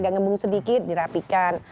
ngebung sedikit dirapikan